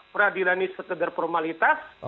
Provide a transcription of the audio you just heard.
peradilan ini sekedar formalitas